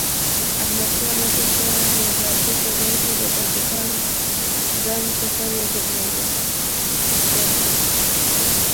احمد شاه مسعود په نیابتي جګړه کې تاجکان ځان سپر وګرځول.